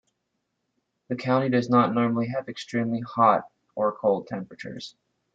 The county does not normally have extremely hot or cold temperatures.